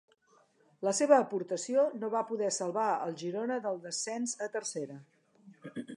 La seva aportació no va poder salvar el Girona del descens a Tercera.